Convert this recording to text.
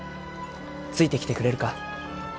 ついてきてくれるか。